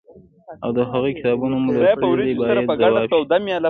او د هغوی کتابونه مو لوستي دي باید ځواب شي.